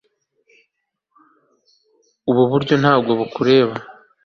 ubu buryo ntabwo bukureba